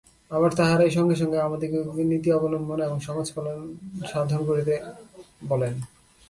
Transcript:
আবার তাঁহারাই সঙ্গে সঙ্গে আমাদিগকে নীতি অবলম্বন এবং সমাজের কল্যাণসাধন করিতে বলেন।